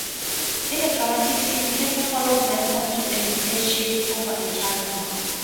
In a dramatic scene, Carter follows them onto an airship, over a chasm.